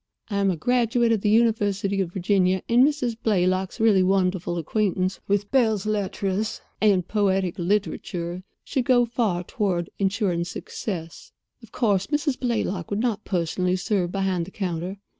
I am a graduate of the University of Virginia; and Mrs. Blaylock's really wonderful acquaintance with belles lettres and poetic literature should go far toward insuring success. Of course, Mrs. Blaylock would not personally serve behind the counter.